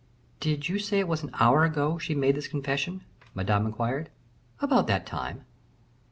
"Did you say it was an hour ago she made this confession?" Madame inquired. "About that time."